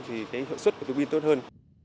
thì hợp suất của tuô bin tốt hơn